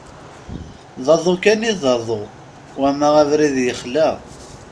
D aḍu kan d aḍu, wama abrid yexla.